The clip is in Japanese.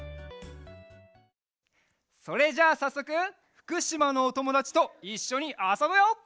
それじゃあさっそくふくしまのおともだちといっしょにあそぶよ！